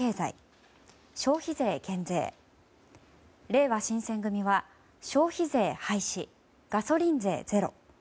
れいわ新選組は消費税廃止ガソリン税ゼロ。